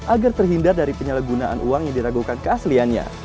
agar terhindar dari penyalahgunaan uang yang diragukan keasliannya